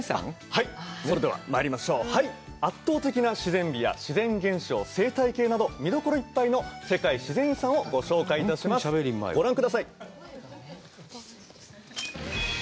はいそれでは参りましょう圧倒的な自然美や自然現象・生態系など見どころいっぱいの世界自然遺産をご紹介致しますご覧ください